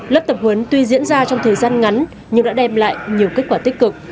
lớp tập huấn tuy diễn ra trong thời gian ngắn nhưng đã đem lại nhiều kết quả tích cực